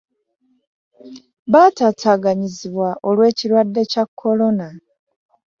Baatataaganyizibwa olw'ekirwadde Kya Corona